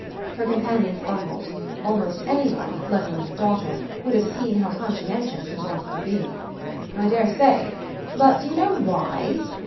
Her companion fumbled; almost any one let alone a daughter would have seen how conscientious he wanted to be. "I dare say. But do you know why?"